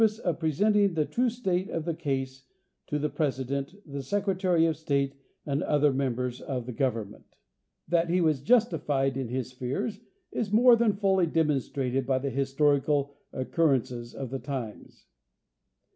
W hitman's memorable Ride Dt of presenting the true state of the case to the President, the Sec retary of State, and other members of the government. That he was justified in his fears is more than fully demonstrated by the historical occurrences of the times.